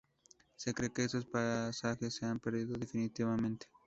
Se cree que estos pasajes se han perdido definitivamente.